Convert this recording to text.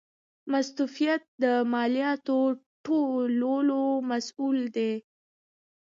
مستوفیت د مالیاتو ټولولو مسوول دی